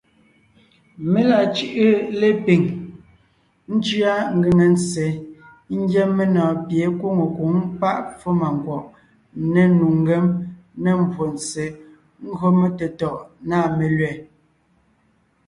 Mé la cʉ́ʼʉ lepiŋ , ńcʉa ngʉŋe ntse ńgyɛ́ menɔ̀ɔn pie é nkwóŋo nkwǒŋ páʼ pfómànkwɔ̀ʼ, ne nnu ngém, ne mbwóntse gÿo metetɔ̀ʼ nâ melẅɛ̀.